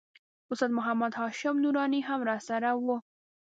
استاد محمد هاشم نوراني هم راسره و.